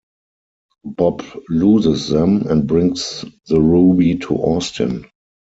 Bob loses them and brings the ruby to Austin.